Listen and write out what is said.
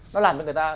nó làm người ta